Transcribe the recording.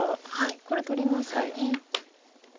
これ取りますよね。